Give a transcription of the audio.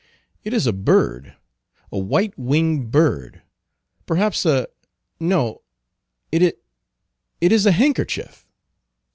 "It is a bird; a white winged bird; perhaps a—no; it is—it is a handkerchief!"